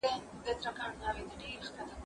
زه له سهاره د زده کړو تمرين کوم،